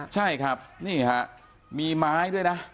ใช่ครับนี่ฮะมีไม้ด้วยนะ